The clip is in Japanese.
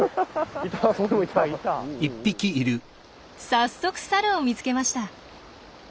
早速サルを見つけました。